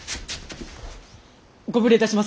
ご無礼いたします。